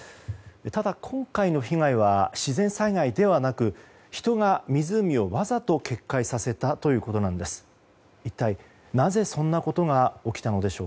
ただ、今回の被害は自然災害ではなく人が湖をわざと決壊させたということなんです。